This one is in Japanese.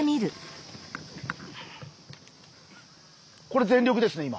これ全力ですね今。